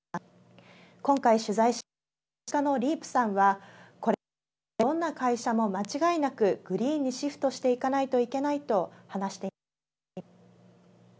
今回取材した投資家のリープさんはこれからはどんな会社も間違いなくグリーンにシフトしていかないといけないと話していました。